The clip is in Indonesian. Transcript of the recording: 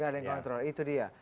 tidak ada yang kontrol itu dia